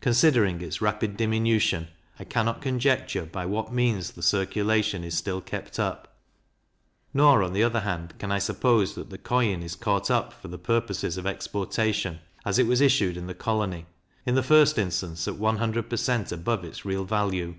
Considering its rapid diminution, I cannot conjecture by what means the circulation is still kept up; nor, on the other hand, can I suppose that the coin is caught up for the purposes of exportation, as it was issued in the colony, in the first instance, at one hundred per cent. above its real value.